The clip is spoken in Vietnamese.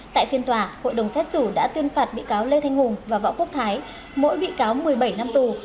tại phiên tòa hội đồng xét xử đã tuyên phạt bị cáo lê thanh hùng và võ quốc thái mỗi bị cáo một mươi bảy năm tù